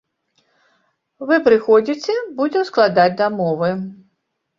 Вы прыходзіце, будзем складаць дамовы.